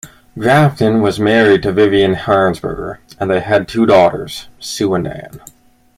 Grafton was married to Vivian Harnsberger, and they had two daughters, Sue and Ann.